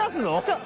そう。